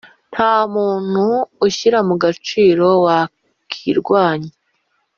nta muntu ushyira mugaciro wakirwanya.